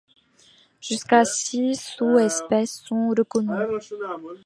Jusqu'à six sous-espèces sont reconnues.